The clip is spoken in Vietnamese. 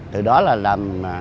từ đó là làm